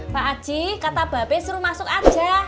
pak haji kata bapak suruh masuk aja